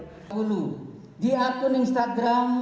di akun instagram